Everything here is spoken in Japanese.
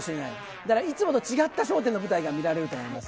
だからいつもと違った笑点の舞台が見られると思います。